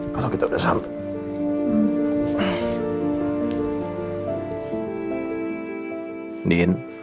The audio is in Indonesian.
kalau kita udah sampai